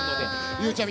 ゆうちゃみ